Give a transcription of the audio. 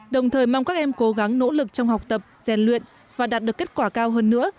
đồng thời mong các em cố gắng nỗ lực trong học tập rèn luyện và đạt được kết quả cao hơn nữa